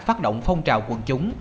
phát động phong trào quần chúng